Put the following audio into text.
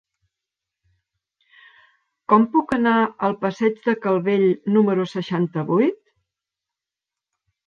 Com puc anar al passeig de Calvell número seixanta-vuit?